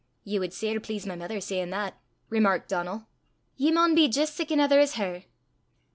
"Ye wad sair please my mither sayin' that," remarked Donal. "Ye maun be jist sic anither as her!"